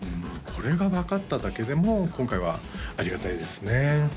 これが分かっただけでも今回はありがたいですね